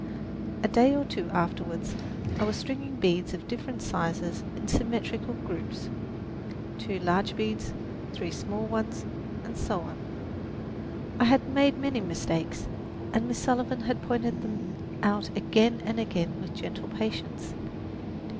A day or two afterward I was stringing beads of different sizes in symmetrical groups two large beads, three small ones, and so on. I had made many mistakes, and Miss Sullivan had pointed them out again and again with gentle patience.